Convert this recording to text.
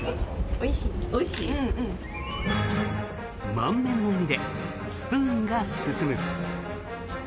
満面の笑みでスプーンが進む。